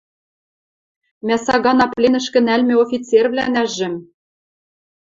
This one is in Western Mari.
– Мӓ сагана пленӹшкӹ нӓлмӹ офицервлӓнӓжӹм!